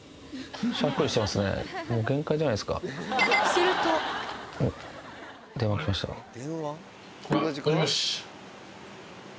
するともしもし。